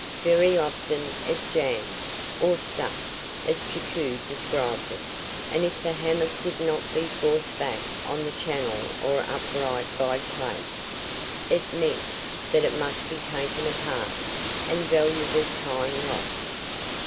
Very often it jammed, or "stuck," as Koku described it, and if the hammer could not be forced back on the channel or upright guide plates, it meant that it must be taken apart, and valuable time lost.